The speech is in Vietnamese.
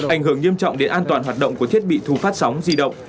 ảnh hưởng nghiêm trọng đến an toàn hoạt động của thiết bị thu phát sóng di động